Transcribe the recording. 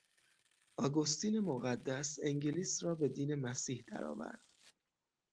اگستین مقدس انگلیس را به دین مسیح درآورد.